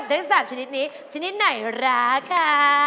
ทั้ง๓ชนิดนี้ชนิดไหนราคา